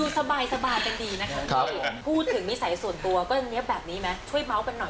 ใสซอนแต่งตัวนี้นิ๊บขนาดนี้เลย